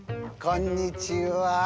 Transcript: こんにちは。